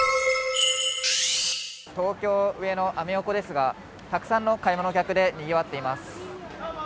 東京・上野、アメ横ですが、たくさんの買い物客でにぎわっています。